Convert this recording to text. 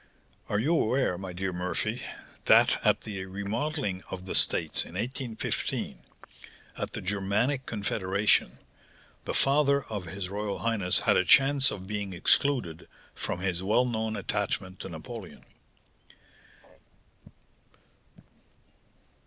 Are you aware, my dear Murphy, that at the remodelling of the States in 1815, at the Germanic confederation, the father of his royal highness had a chance of being excluded, from his well known attachment to Napoleon?